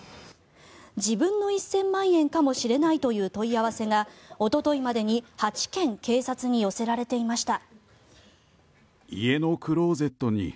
自分の１０００万円かもしれないという問い合わせがおとといまでに８件警察に寄せられていました。